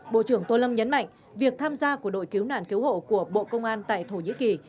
bộ trưởng tô lâm nhấn mạnh việc tham gia của đội cứu nạn cứu hộ của bộ công an tại thổ nhĩ kỳ